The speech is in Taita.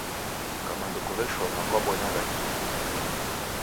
Kama ndokuw'eshoma, kwabonyagha kihi?